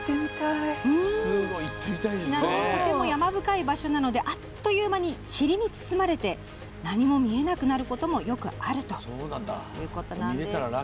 ちなみにとても山深い場所なのであっという間に霧に包まれて何も見えなくなることもよくあるということなんです。